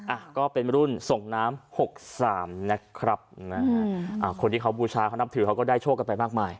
อ่ะก็เป็นรุ่นส่งน้ำหกสามนะครับนะฮะอ่าคนที่เขาบูชาเขานับถือเขาก็ได้โชคกันไปมากมาย